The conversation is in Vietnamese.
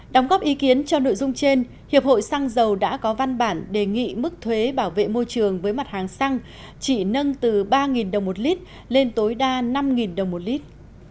đóng góp ý kiến cho nội dung trên hiệp hội xăng dầu đã có văn bản đề nghị mức thuế bảo vệ môi trường với mặt hàng xăng chỉ nâng từ ba đồng một lít lên tối đa năm đồng một lít